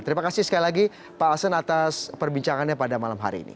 terima kasih sekali lagi pak hasan atas perbincangannya pada malam hari ini